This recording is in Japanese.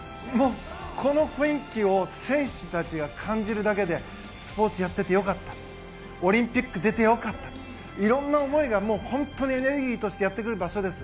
この雰囲気を選手たちが感じるだけでスポーツやっていて良かったオリンピック出て良かったいろんな思いがエネルギーとしてやってくる場所です。